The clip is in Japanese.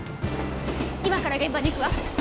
今から現場に行くわ。